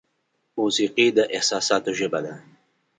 موسیقي د احساساتو ژبه ده.